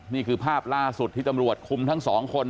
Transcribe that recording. นี่คือภาพล่าสุดที่ตำรวจคุมทั้งสองคน